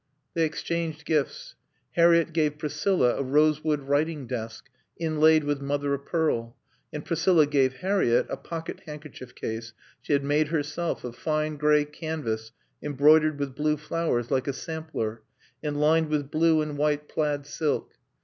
They exchanged gifts. Harriett gave Priscilla a rosewood writing desk inlaid with mother o' pearl, and Priscilla gave Harriett a pocket handkerchief case she had made herself of fine gray canvas embroidered with blue flowers like a sampler and lined with blue and white plaid silk.